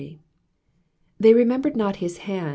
42 They remembered not his hand